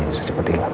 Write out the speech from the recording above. gak usah sayang